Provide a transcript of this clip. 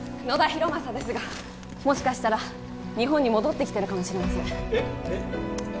野田浩正ですがもしかしたら日本に戻ってきてるかもしれませんえっ？